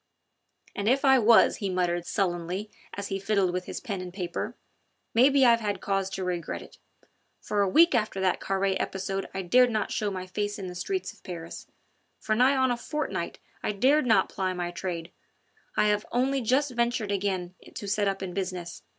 "And if I was," he muttered sullenly as he fiddled with his pen and paper, "maybe I've had cause to regret it. For a week after that Carre episode I dared not show my face in the streets of Paris; for nigh on a fortnight I dared not ply my trade ... I have only just ventured again to set up in business.